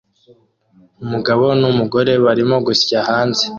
Umugabo numugore barimo gusya hanze